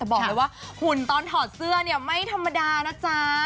บอกเลยว่าหุ่นตอนถอดเสื้อเนี่ยไม่ธรรมดานะจ๊ะ